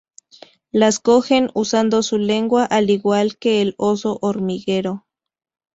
Las cogen usando su lengua al igual que el oso hormiguero.